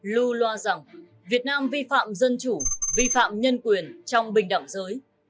lưu loa rằng việt nam vi phạm dân chủ vi phạm nhân quyền trong bình đẳng giới